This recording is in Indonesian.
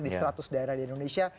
di seratus daerah di indonesia